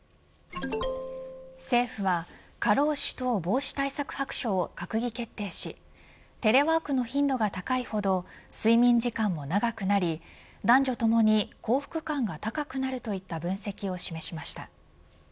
政府は過労死等防止対策白書を閣議決定しテレワークの頻度が高いほど睡眠時間も長くなり男女ともに幸福感が高くなるといった分析を示しました。